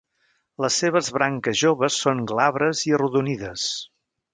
Les seves branques joves són glabres i arrodonides.